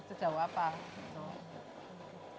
dan mereka kan kanan dari luar surabaya